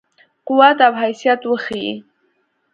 قوت او حیثیت وښيي.